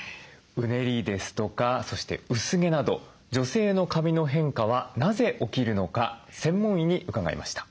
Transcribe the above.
うねりですとかそして薄毛など女性の髪の変化はなぜ起きるのか専門医に伺いました。